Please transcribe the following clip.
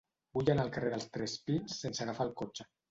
Vull anar al carrer dels Tres Pins sense agafar el cotxe.